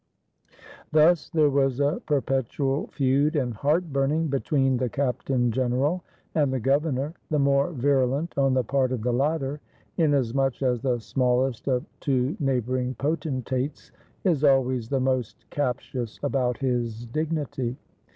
Thus there was a perpetual feud and heartburning between the captain general and the governor, the more virulent on the part of the latter, inasmuch as the smallest of two neighboring potentates is always the most captious about his dignity.